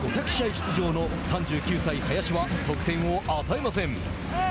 出場の３９歳林は得点を与えません。